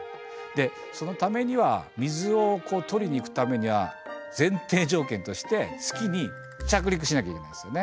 でそのためには水を採りに行くためには前提条件として月に着陸しなきゃいけないですよね。